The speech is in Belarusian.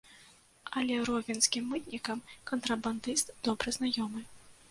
Але ровенскім мытнікам кантрабандыст добра знаёмы.